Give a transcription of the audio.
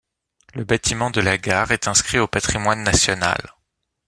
Le bâtiment de la gare est inscrit au patrimoine national.